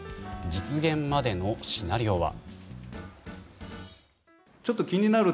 実現までのシナリオは？